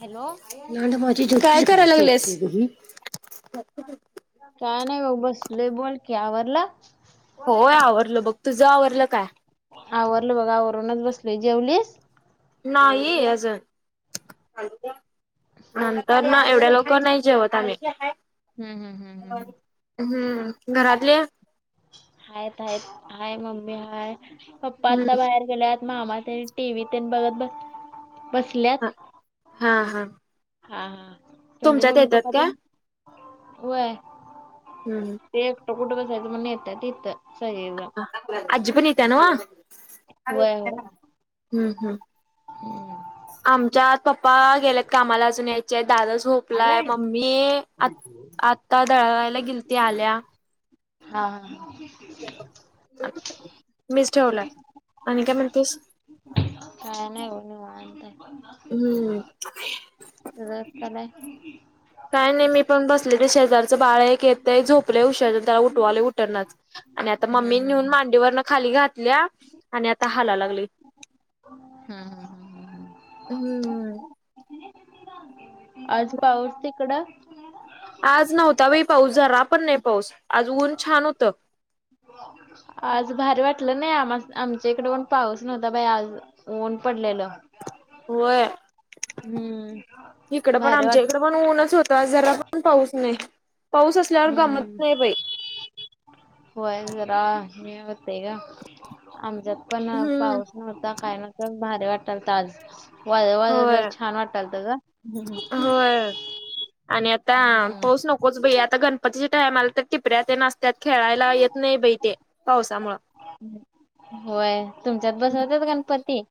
Hello. ना माझी काय करायला लागलीस? काय नाही भा बसले बोल क आवरल? होय आवरलं बघ तुझ आवरलं काय? आवरलं बघा आवरूनच बसल जेवलीस? नाही अजून. तर ना एवढ्या लवकर नाही जेवत आम्ही. हम् हम हम. हम्म घरातले? हायेत हाय हाय मम्मी हाय पप्पा आता हम्म बाहेर गेल्यात. मामा ते टीवी ते बघत बस हा बसल्यात. हा हा. हा हा तुमचे तुमच्यात मम्मी येतात पप्पा ते का? व? हम्म. ते एकटो कुठ साहित म्हण येत इथं सगज. आजी पण येता ना व व्हय व्हय हम्म हम्म. हम्म. आमच्यात पप्पा गेलेत कामाला अजून यायचे दादा झोपलाय मम्मी आ आता दळायला गेलती आल्या. हा हा ह. मीच ठेवला आणि काय म्हणतेस. काय नाही एव मानत. हम्म सगळ चला. काय नाही मी पण बसले ते शेजारचं बाळ एक येतय झोपले उशज त्याला उठवाले उटनणारच. आणि आता हम्म मम्मी हम्म नेऊन मांडीवरन खाली घातल्या आणि आता हाला लागलंय हम्म हम्म हम्म हम्म हम्म आज पाऊस तिकडं आज नव्हता बाई पाऊस जरा पण नाही पाऊस आज ऊन छान होतं आज भारी वाटलं नाही आम आमच्या इकडे पण पाऊस नव्हता बाई आज ऊन पडलेलं होय हम्म इकड पण भारी वाट आमच्या इकडे इथ पण ऊनच होत जरा पण पाऊस नाही पाऊस असल्यावर गमत हम्म नाही बाई होय जरा मी होते ग आमच्या पण हम्म पाऊस नव्हता काय नव्हतं तर भारी वाटालतं आज वाळ वाळ होय जरा छान वाटालत ग वर आणि आता पाऊस नकोच बाई आता गणपतीच्या टायमाला तर टिपऱ्या तेन असत्यात त्यात खेळायला येत नाही बाई ते पावसामुळ होय तुमच्यात बसवतात गणपती?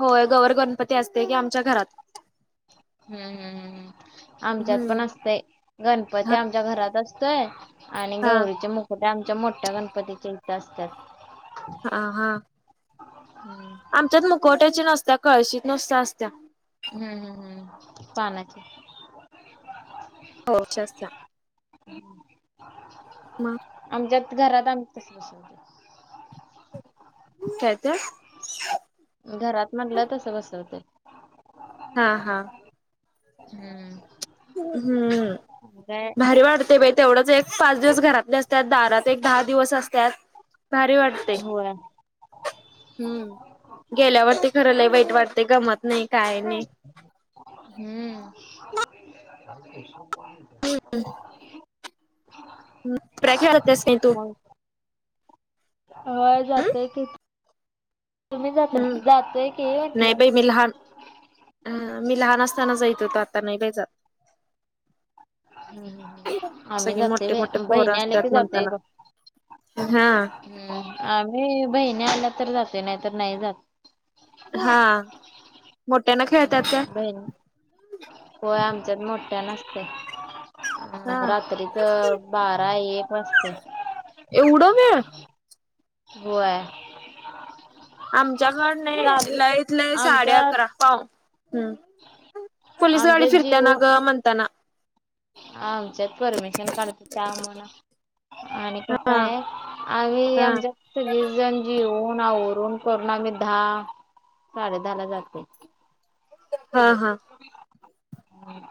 होय गौवर गणपती असते की आमच्या घरात. हम्म हम् हम्म हम् आमच्यात हम्म. पण असतय हा गणपती आमच्या घरात असतोय. आणि हा गौरीचे मुकट्या आमच्या मोठ्या गणपतीच्या इथ असतात. हा हा हम्म आमच्यात मुकोट्याची नसत्या कळशीत नसत असत्या. हम्म हम्म पानाची होशस् च्या हम् मग आमच्यात घरात आम कस बस काय ते घरात म्हटलं तसं बसवतय हा हा हम्म हम्म हम्म काय भारी वाढतंय बाई तेवढंच एक पाच दिवस घरातले असतात दारात एक दहा दिवस असतात भारी वाटतंय होय हम्म गेल्यावरती खरं लई वाईट वरती गमत नाही काय नाही हम्म हम हा हम्म टिपऱ्या खेळाय जात्यास काय तू होय जातेय की तुम्ही जात हम्म जातोय की म्हटलं ह मी लहान असताना जायत होतो आता नाही बाई जात हम् आम्ही सगळी जातोय मोठे मोठे बाई पोरं बहिणी आल्या की असतात जातोय म्हणताना. बग हा हम्म आम्ही बहीणी आल्या तर जातोय नाही तरर नाही जात हा मोठ्याना खेळतात काय हम् बहिण होय आमच्यात मोठ्यान असतय ह हा रात्रीच बारा एक वाजतय एवढं वेळ होय. आमच्या कड नाही चालू लयत लंय साडे आमच्यात अकरा पाव हम्म पोलीस गाडी आमच्यात फिरत्या जिओ ना ग म्हणताना. आमच्यात परमिशन काढत त्या म्हणा आणि कसं हा आहे आम्ही हा आमच्या. सगळी जण जेऊन आवरून करून आम्ही दहा साडे दहाला जाते. हा हा.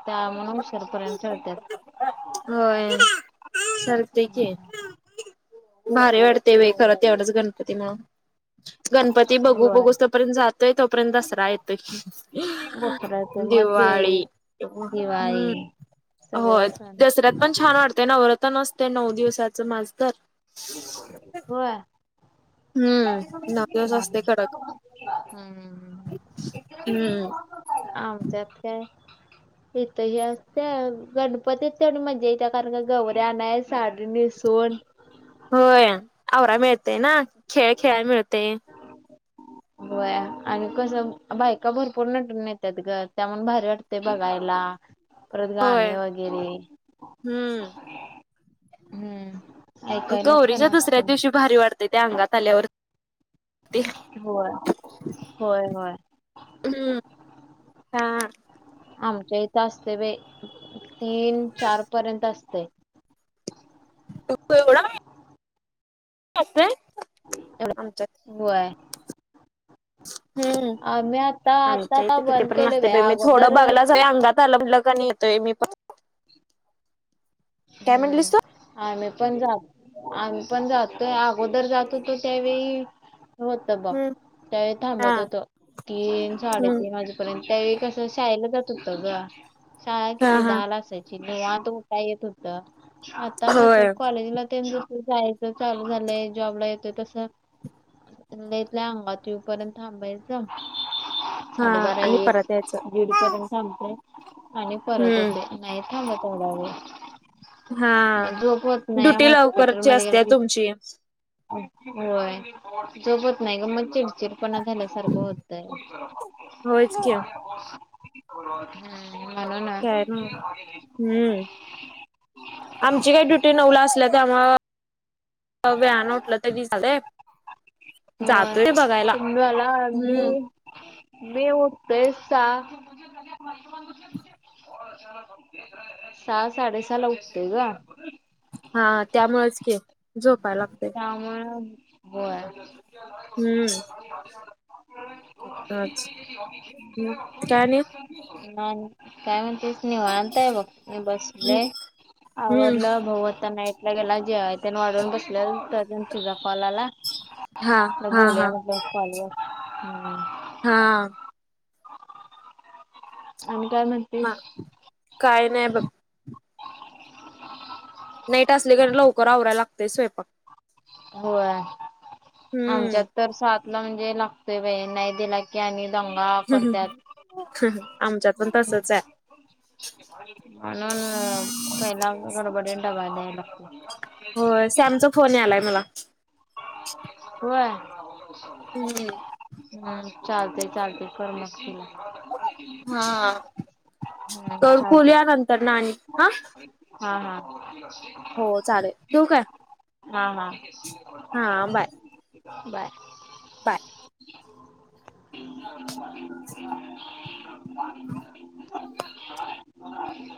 त्यामुळ उशीरपर्यंत तळत्याात. होय, सारते की. भारी वाढते बाई खरं तेवढच गणपती मुळ गणपती बघू होय बघू [inaudible] [inaudible] तोय तोपर्यंत दसरा येतोय, दसऱ्याचे मग दिवाळी दे हम्म. दिवाळी होय सगळं सण दसऱ्यात पण छान वाटते नवरात नसते नऊ दिवसाचं माज तर. होय. हम्म नऊ दिवस असतय हम् कडक हम्म आमच्यात काय. इथ ह असत गणपती तेवढी मजा येत्या, कारण का गवऱ्या आनाय साडी नस सून होय, आवराय मिळतेय ना? खेळ खेळाय मिळतय! होय, आणि कसं बायका भरपूर नटून येत्यात ग त्यामुळ भारी वाटतंय बघायला. परत होय गाणे वगैरे हम्म हम्म. ऐकायला छान गौरीच्या दुसऱ्या वाटतं. दिवशी भारी वाढते त्या अंगात आल्यावर. ते होय होय होय हम्म हा. आमच्या इथं असते बाई, तीन चार पर्यंत असते. तू एवढ [inaudible] आ [inaudible] हो होय हम्म, आम्ही आता आता आमच्या हित आता किती बंद पर्यंत केले असतय बाई, मी थोडं अगोदर बघला ते अंगात आला म्हणलं की मी पण येतो. हम्म, म्हटलीस तू आम्ही पण जात आम्ही पण जात अगोदर जातोतो त्यावेळी होत बघ, हम्म त्यावेळी हा थांबत होतो तीन हम्म साडेतीन वाजे यंत त्यावेळी कसं शाळेला जात होतं ग, शाळा हा किती हा दहा ला असायचं. निवांत उठाव येत होत, आता कस होय कॉलेजला ते जस जायच चालू झालंय, जॉबला येतोय तस लयत लय अंगात ये पर्यंत थांबायचं. हा साडेबारा आणि एक परत यायचं दीड पर्यंत थांबते आणि परत येते. हम्म नाही थांबत तेवढा वेळ. हा म झोप होत नाही, ड्युटी हॉस्पिटल लवकरची असते मध्ये. तुमची होय झोप होत नाही ग, म चिडचिड. पण झाल्यासारखं होतय. होयच की म्हणुन. काय ना हम्म आमची काही ड्युटी नवला असल्या त्यामुळ वेळानं उठलं तरी चालतंय. हो तुम्ला [unintelligible] आगली हम्म मी उठतोय सा. सहा साडे सहा ला उठतोय ग. हा त्यामुळेच की झोपाय लागतेय. त्यामुळे होय. हम्म [unintelligible] तेच मग काय आणि नानी काय म्हणतेस. निवांत आहे बघ. बसले. हम्म आववरल भाऊ आता नाईटला गेला. जेवाय वाढून बसले. त्यातुन तुझा कॉल आला. हा हा बोलूया हा हा. म्हटल कॉल वर. [inaudible] हा आणि काय म्हण काय नाही बघ. नाईट असली का लवकर आवरायला लागतय स्वयंपाक. होय हम्म आमच्यात तर सातला म्हणजे लागतोय बाई‌. नाही दिला की याणि दंगा करत्यात. आमच्यात पण तसच आहे. म्हणून पहिले गडबडीत डब्बा द्यायला लागतो. हो सॅमचा फोन यालाय मला. व्हय हम्म चालतय चालतय कर मग तिला. हा हम्म कर फुल चालतय. या नंतर नानी. हा हा हा हो चालेल. ठेवु काय? हा हा हा बाय बाय बाय [unintelligible]